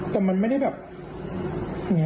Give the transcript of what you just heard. แต่มันไม่ได้แบบ